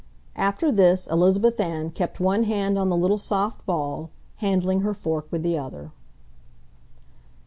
After this Elizabeth Ann kept one hand on the little soft ball, handling her fork with the other.